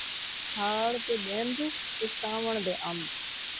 ہاڑھ دے ݙمبھ تے ساوݨ دے امب